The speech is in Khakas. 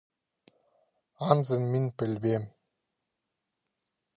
Анзын мин пілбеем.